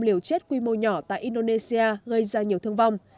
liều chết quy mô nhỏ tại indonesia gây ra nhiều thương vong